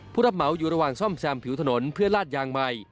ผู้รับเหมาอยู่ระหว่างซ่อมแซมผิวถนนเพื่อลาดยางใหม่